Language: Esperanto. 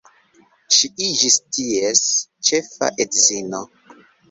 Ŝi iĝis ties ĉefa edzino.